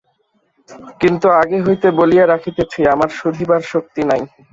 কিন্তু আগে হইতে বলিয়া রাখিতেছি, আমার শুধিবার শক্তি নাই!